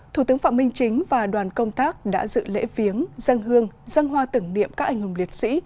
thủ tướng phạm minh chính và đoàn công tác đã dự lễ viếng dân hương dân hoa tưởng niệm các anh hùng liệt sĩ